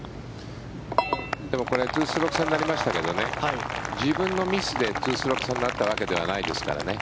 でもこれ２ストローク差になりましたが自分のミスで２ストローク差になったわけではないですからね。